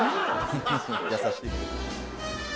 優しい。